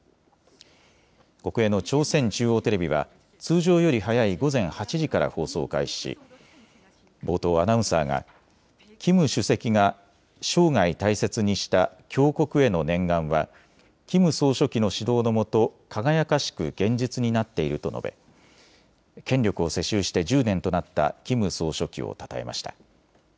国営の朝鮮中央テレビは通常より早い午前８時から放送を開始し冒頭、アナウンサーがキム主席が生涯大切にした強国への念願はキム総書記の指導のもと、輝かしく現実になっていると述べ権力を世襲して１０年となったキム総書記をたたえました。